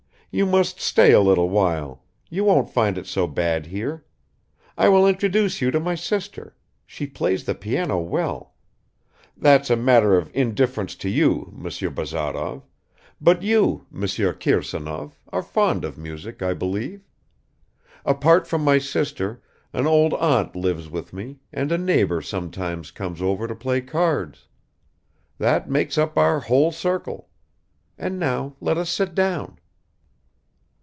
"You must stay a little while; you won't find it so bad here. I will introduce you to my sister; she plays the piano well. That's a matter of indifference to you, Monsieur Bazarov, but you, Monsieur Kirsanov, are fond of music, I believe. Apart from my sister, an old aunt lives with me, and a neighbor sometimes comes over to play cards. That makes up our whole circle. And now let us sit down."